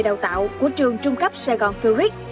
đào tạo của trường trung cấp sài gòn curric